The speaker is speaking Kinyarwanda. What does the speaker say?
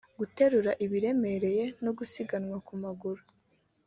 guterura ibiremereye no gusiganwa ku maguru